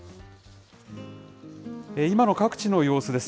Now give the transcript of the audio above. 今の各地の様子です。